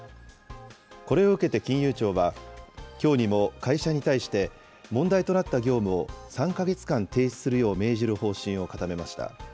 これを受けて金融庁は、きょうにも会社に対して、問題となった業務を３か月間停止するよう命じる方針を固めました。